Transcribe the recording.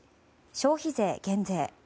消費税減税。